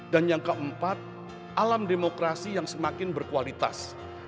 yang keempat alam demokrasi yang semakin berkualitas